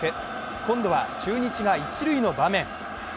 今度は中日が一塁の場面。